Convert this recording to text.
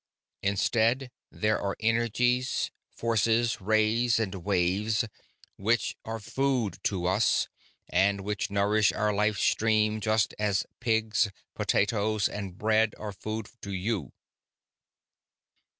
Instead, there are energies, forces, rays, and waves, which are food to us and which nourish our life stream just as pigs, potatoes, and bread are food to you.